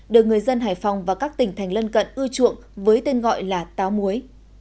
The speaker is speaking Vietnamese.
được người dân hải phòng và các tỉnh thành lân cận ưa chuộng với tên gọi là táo muối